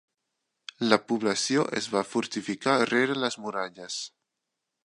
La població es va fortificar rere les muralles.